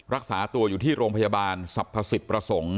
รักษาตัวอยู่ที่โรงพยาบาลสรรพสิทธิ์ประสงค์